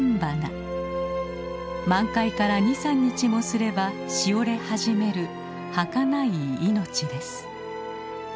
満開から２３日もすればしおれ始めるはかない命です。